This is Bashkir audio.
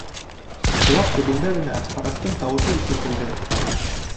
Ҡолаҡ төбөндә генә Харрастың тауышы ишетелде.